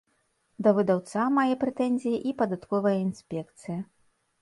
Да выдаўца мае прэтэнзіі і падатковая інспекцыя.